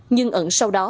nhưng ẩn sau đó